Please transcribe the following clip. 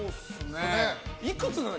いくつなの？